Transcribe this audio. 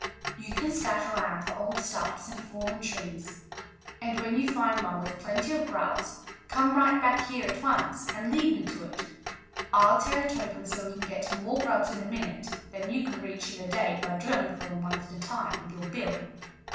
"You can scout around for old stumps and fallen trees. And when you find one with plenty of grubs, come right back here at once and lead me to it. I'll tear it open so we can get more grubs in a minute than you can reach in a day by drilling for them one at a time with your bill.